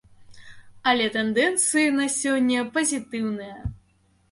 Але тэндэнцыі на сёння пазітыўныя.